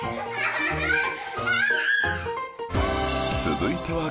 続いては